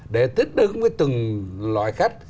để tích đứng với từng nhóm khách